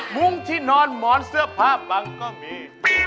มุ้งที่นอนหมอนเสื้อผ้าบังก็มี